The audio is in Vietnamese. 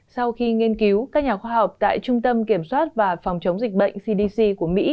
sau khi nghiên cứu các nhà khoa học tại trung tâm kiểm soát và phòng chống dịch bệnh cdc của mỹ